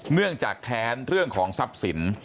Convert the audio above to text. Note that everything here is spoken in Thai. เนื่องจากแค้นเรื่องของทรัพย์สิน